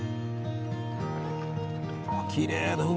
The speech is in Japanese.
きれいな海。